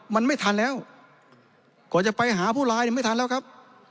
มันไม่ทันแล้วกว่าจะไปหาผู้ร้ายเนี่ยไม่ทันแล้วครับ